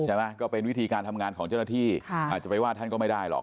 ก็เป็นวิธีการทำงานของเจ้าหน้าที่อาจจะไปว่าท่านก็ไม่ได้หรอก